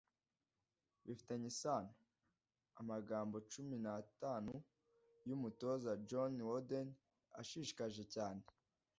Bifitanye isano: Amagambo cumi na tanu yumutoza John Wooden ashishikaje cyane: